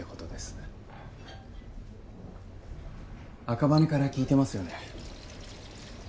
赤羽から聞いてますよね。